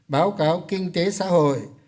báo cáo kinh tế xã hội